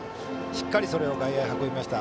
しっかりそれを外野に運びました。